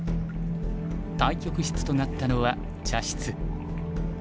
対局室となったのは茶室。